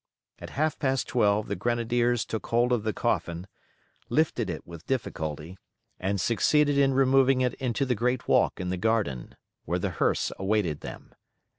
At half past twelve the grenadiers took hold of the coffin, lifted it with difficulty, and succeeded in removing it into the great walk in the garden, where the hearse awaited them.